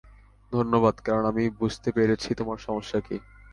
ধন্যবাদ, কারণ আমি বুঝতে পেরেছি তোমার সমস্যা কী।